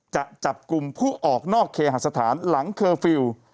จะจับกลุ่มผู้ออกนอกเคหาสถานหลังเคอร์ฟิลล์